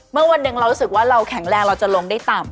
เมื่อวันหนึ่งเรารู้สึกว่าเราแข็งแรงเราจะลงได้ต่ำ